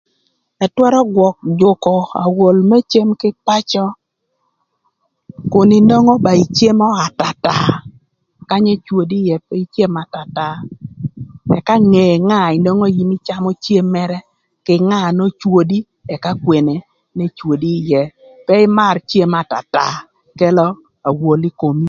Ëtwërö gwök jükö awol më cem kï pacö kun inwongo ba icemo atata. Kanya ecwodi ïë pe icem atata ëka nge nga na nwongo in ïcamö cem mërë kï nga n'ocwodi ëka kwene n'ecwodi ïë pe ïmar cem atata kelo awol ï komi.